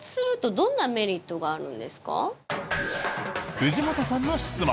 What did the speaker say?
藤本さんの質問。